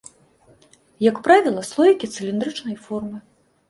Як правіла, слоікі цыліндрычнай формы.